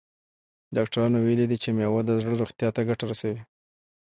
ډاکټرانو ویلي دي چې مېوه د زړه روغتیا ته ګټه رسوي.